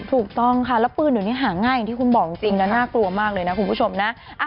ถูกต้องค่ะแล้วปืนเดี๋ยวนี้หาง่ายอย่างที่คุณบอกจริงนะน่ากลัวมากเลยนะคุณผู้ชมนะ